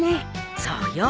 そうよ。